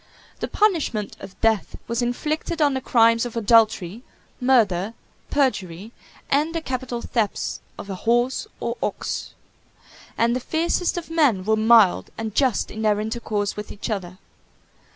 The punishment of death was inflicted on the crimes of adultery, murder, perjury, and the capital thefts of a horse or ox; and the fiercest of men were mild and just in their intercourse with each other.